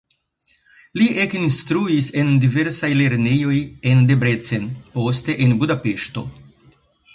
Li ekinstruis en diversaj lernejoj en Debrecen, poste en Budapeŝto.